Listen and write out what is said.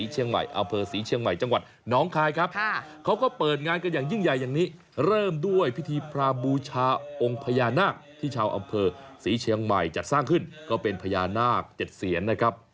ยิ่งใหญ่อย่างนี้เริ่มด้วยพิธีพระบูชาองค์พญานาคที่ชาวอำเภอศรีเชียงใหม่จัดสร้างขึ้นก็เป็นพญานาคเจ็ดเซียนนะครับ